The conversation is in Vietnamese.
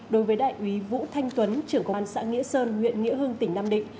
đối với đại úy vũ thanh tuấn trưởng công an xã nghĩa sơn huyện nghĩa hưng tỉnh nam định